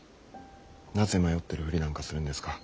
なぜ迷ってるふりなんかするんですか？